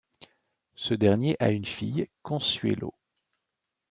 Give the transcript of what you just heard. Ce dernier a une fille, Consuelo.